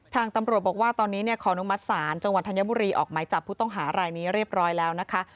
ทางตำรวจบอกว่าตอนนี้ขออนุมัติศาลจังหวัดธัญบุรีออกหมายจับผู้ต้องหารายนี้เรียบร้อยแล้วนะคะ